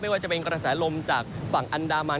ว่าจะเป็นกระแสลมจากฝั่งอันดามัน